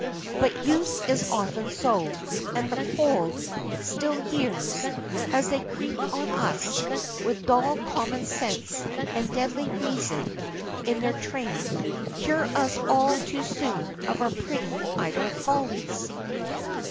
But youth is often so, and the cold, still years, as they creep on us, with dull common sense and deadly reason in their train, cure us all too soon of our pretty idle follies.